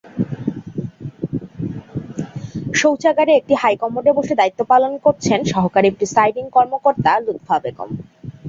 শৌচাগারের একটি হাইকমোডে বসে দায়িত্ব পালন করেছেন সহকারী প্রিসাইডিং কর্মকর্তা লুত্ফা বেগম।